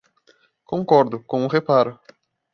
Concordo, com um reparo.